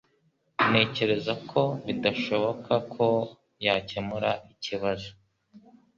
Ntekereza ko bidashoboka ko yakemura ikibazo.